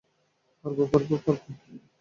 পারব পারব পারব!